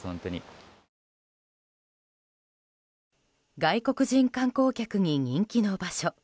外国人旅行客に人気の場所。